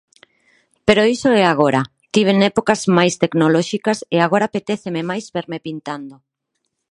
Pero iso é agora, tiven épocas máis tecnolóxicas e agora apetéceme máis verme pintando.